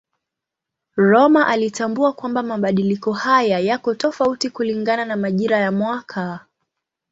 Rømer alitambua kwamba mabadiliko haya yako tofauti kulingana na majira ya mwaka.